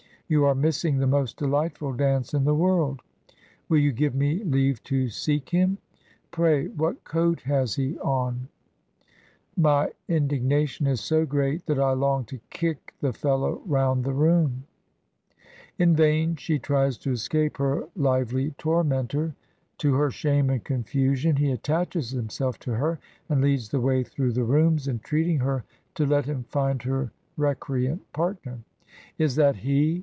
You are missing the most delightful dance in the world. ... Will you give me leave to seek him? ... Pray, I. B ly Digitized by VjOOQ IC HEROINES OF FICTION what coat has he on? ... My indignation is so great that I long to kick the fellow round the room.' " In vain she tries to escape her lively tormentor; to her shame and confusion he attaches himself to her and leads the way through the rooms, entreating her to let him j&nd her recreant partner. "'Is that he?'